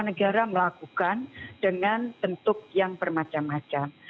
ini kita lakukan dengan bentuk yang bermacam macam